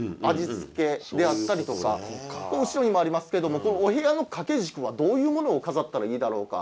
後ろにもありますけどもお部屋の掛け軸はどういうものを飾ったらいいだろうか。